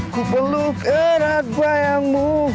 ku peluk erat bayangmu